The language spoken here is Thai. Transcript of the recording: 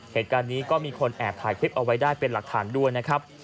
เหตุการณ์นี้ก็มีคนแอบถ่ายคลิปเอาไว้ได้เป็นหลักฐานด้วยนะครับ